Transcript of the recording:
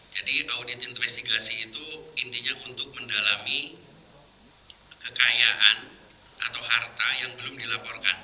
jadi audit investigasi itu intinya untuk mendalami kekayaan atau harta yang belum dilaporkan